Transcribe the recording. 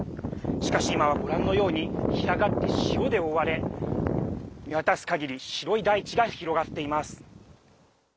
しかし今は、ご覧のように干上がって塩で覆われ見渡すかぎり白い大地が広がっています。